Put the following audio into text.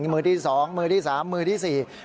มือที่๒มือที่๓มือที่๔